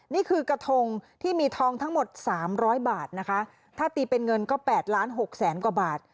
นี่คือกระทงที่มีทองทั้งหมดสามร้อยบาทนะคะถ้าตีเป็นเงินก็๘ล้านหกแสนกว่าบาท